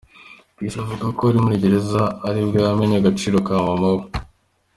P Fla avuga ko ari muri gereza ari bwo yamenye agaciro ka mama we.